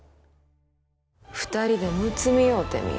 ２人でむつみ合うてみよ。